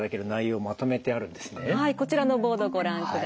はいこちらのボードご覧ください。